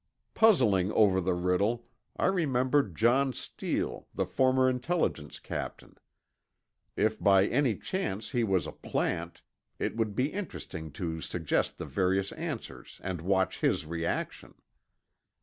Puzzling over the riddle, I remembered John Steele, the former Intelligence captain. If by any chance he was a plant, it would be interesting to suggest the various answers and watch his reaction.